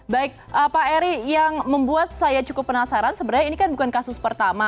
baik pak eri yang membuat saya cukup penasaran sebenarnya ini kan bukan kasus pertama